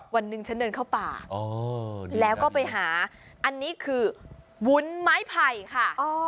วันหนึ่งฉันเดินเข้าป่าแล้วก็ไปหาอันนี้คือวุ้นไม้ไผ่ค่ะ